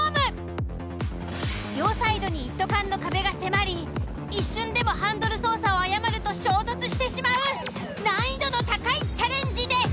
両サイドに一斗缶の壁が迫り一瞬でもハンドル操作を誤ると衝突してしまう難易度の高いチャレンジです！